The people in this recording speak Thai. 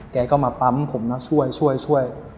แกก็มาปั๊มผมนะช่วยช่วย